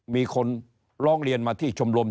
มีคนร้องเรียนมาที่ชมรม